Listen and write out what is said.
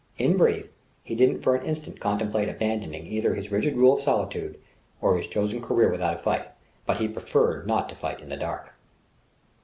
In brief, he didn't for an instant contemplate abandoning either his rigid rule of solitude or his chosen career without a fight; but he preferred not to fight in the dark.